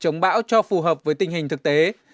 chống bão cho phù hợp với tình hình thực tế